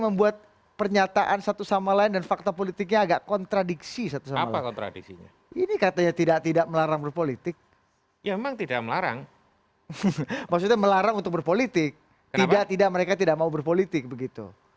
mereka tidak mau berpolitik begitu